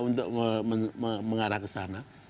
untuk mengarah ke sana